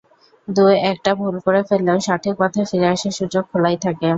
দু-একটা ভুল করে ফেললেও সঠিক পথে ফিরে আসার সুযোগ খোলাই থাকে।